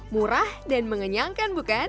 murah dan mengenyangkan bukan